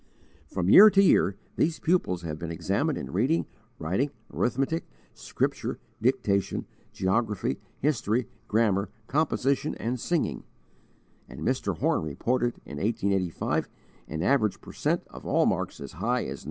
From year to year these pupils have been examined in reading, writing, arithmetic, Scripture, dictation, geography, history, grammar, composition, and singing; and Mr. Horne reported in 1885 an average per cent of all marks as high as 91.